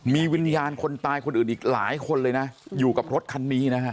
มีวิญญาณคนตายคนอื่นอีกหลายคนเลยนะอยู่กับรถคันนี้นะฮะ